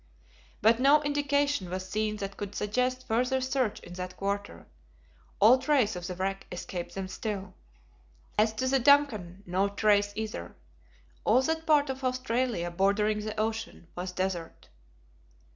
But no indication was seen that could suggest further search in that quarter all trace of the wreck escaped them still. As to the DUNCAN, no trace either. All that part of Australia, bordering the ocean, was desert.